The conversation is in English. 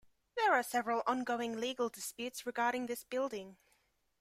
There are several ongoing legal disputes regarding this building.